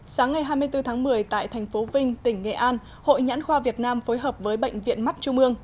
sáng ngày hai mươi bốn tháng một mươi tại thành phố vinh tỉnh nghệ an hội nhãn khoa việt nam phối hợp với bệnh viện mắt trung ương